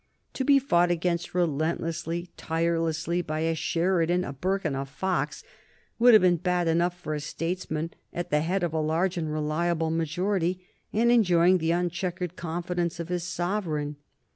To be fought against relentlessly, tirelessly, by a Sheridan, a Burke, and a Fox would have been bad enough for a statesman at the head of a large and reliable majority and enjoying the uncheckered confidence of his sovereign.